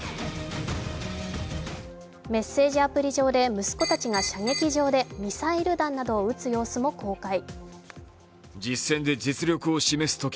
メッセージアプリ上で息子たちが射撃場でミサイル弾などを撃つ様子も公開。